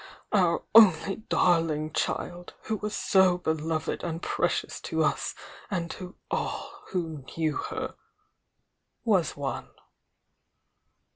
"Our only dar ling child, who was so beloved and precious to us and to all who knew her"— was one.